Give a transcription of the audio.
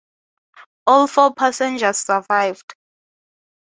All four passengers survived.